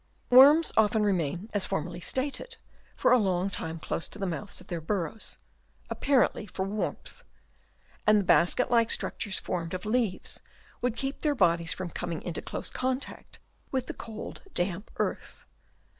Worms often remain, as formerly stated, for a long time close to the mouths of their burrows, apparently for warmth ; and the basket like structures formed of leaves would keep their bodies from corning into close contact with the cold damp earth.